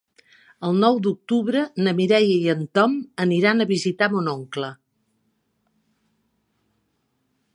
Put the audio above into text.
El nou d'octubre na Mireia i en Tom aniran a visitar mon oncle.